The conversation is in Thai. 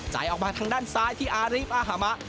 จ่ายออกมาทางด้านซ้ายที่อารีฟอาหมา